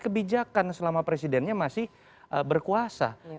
kebijakan selama presidennya masih berkuasa kebijakan selama presidennya masih berkuasa